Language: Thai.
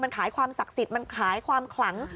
มันขายความศักดิ์สิทธิ์มันขายความขลัง